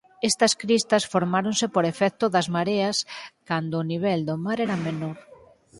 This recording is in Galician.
Estas cristas formáronse por efectos das mareas cando o nivel do mar era menor.